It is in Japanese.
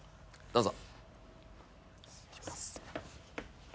どうぞ。